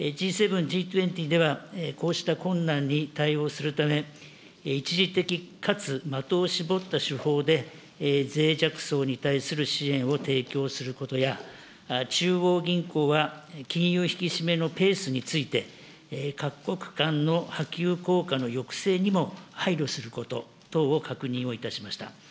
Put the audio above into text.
Ｇ７、Ｇ２０では、こうした困難に対応するため、一時的かつ的を絞った手法で、ぜい弱層に対する支援を提供することや、中央銀行が金融引き締めのペースについて、各国間の波及効果の抑制にも配慮すること等を確認をいたしました。